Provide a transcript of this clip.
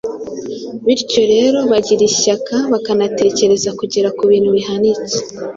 Bityo rero bagira ishyaka bakanatekereza kugera ku bintu bihanitse.